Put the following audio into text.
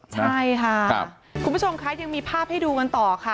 ใช่ค่ะคุณผู้ชมคะยังมีภาพให้ดูกันต่อค่ะ